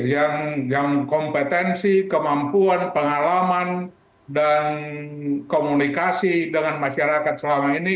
yang kompetensi kemampuan pengalaman dan komunikasi dengan masyarakat selama ini